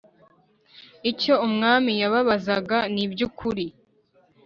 icyo umwami yababazaga nibyukuri